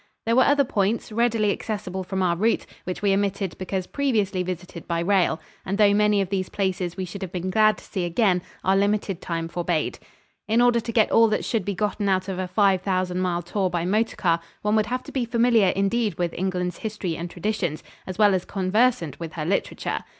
There were other points, readily accessible from our route, which we omitted because previously visited by rail; and though many of these places we should have been glad to see again, our limited time forbade. In order to get all that should be gotten out of a five thousand mile tour by motor car, one would have to be familiar indeed with England's history and traditions, as well as conversant with her literature.